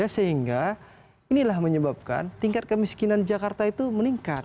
sehingga inilah menyebabkan tingkat kemiskinan jakarta itu meningkat